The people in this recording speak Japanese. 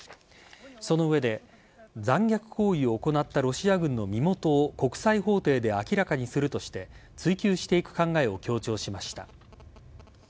その上で残虐行為を行ったロシア軍の身元を国際法廷で明らかにするとして追及していく考えを強調しました。